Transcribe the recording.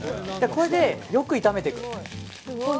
これで、よく炒めていく。